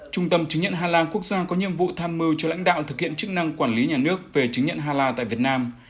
trung tâm chứng nhận hà la quốc gia có nhiệm vụ tham mưu cho lãnh đạo thực hiện chức năng quản lý nhà nước về chứng nhận hà la tại việt nam